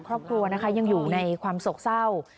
ครอบครัวนะคะยังอยู่ในความโศกเศร้า